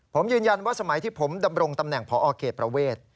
ผมยืนยันว่าสมัยที่ผมดำรงตำแหน่งพอเขตประเวท